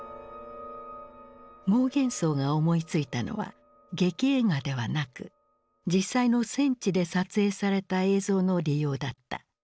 モーゲンソウが思いついたのは劇映画ではなく実際の戦地で撮影された映像の利用だった。